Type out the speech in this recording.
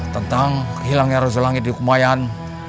tentang hilangnya raja langit di kumaian